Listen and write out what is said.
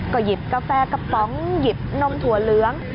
ก็หยิบกาแฟกระป๋องหยิบนมถั่วเหลือง